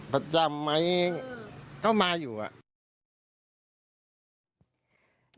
ประจำไหมก็มาอยู่อ่ะ